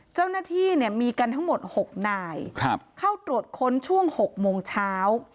เจ้าหน้าที่มีกันทั้งหมด๖นายเข้าตรวจค้นช่วง๖โมงเช้า